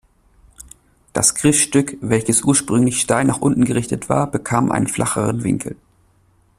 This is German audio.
Das Griffstück, welches ursprünglich steil nach unten gerichtet war, bekam einen flacheren Winkel.